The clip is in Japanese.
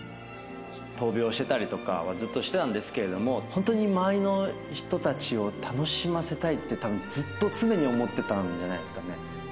闘病してたりとかはずっとしてたんですけれども、本当に周りの人たちを楽しませたいって、たぶんずっと常に思ってたんじゃないですかね。